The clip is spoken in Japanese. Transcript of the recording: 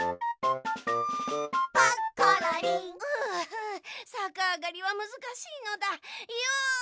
ふうさかあがりはむずかしいのだ。よ！